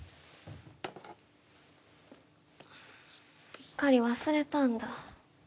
うっかり忘れたんだ。